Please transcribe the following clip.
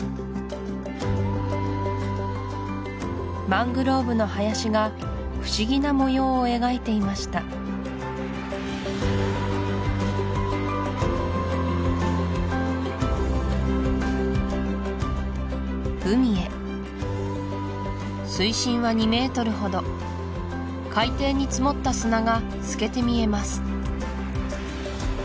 マングローブの林が不思議な模様を描いていました海へ水深は２ｍほど海底に積もった砂が透けて見えます